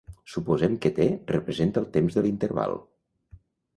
Suposem que T representa el temps de l'interval.